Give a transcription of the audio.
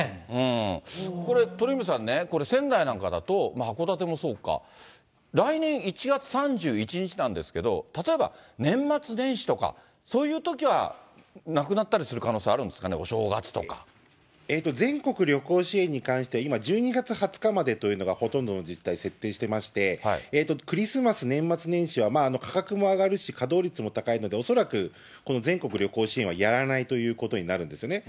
これ、鳥海さんね、これ、仙台なんかだと、函館もそうか、来年１月３１日なんですけれども、例えば、年末年始とか、そういうときはなくなったりする可能性あるんですかね、お正月と全国旅行支援に関しては、今、１２月２０日までというのがほとんどの自治体、設定してまして、クリスマス、年末年始は、価格も上がるし、稼働率も高いので、恐らくこの全国旅行支援はやらないということになるんですよね。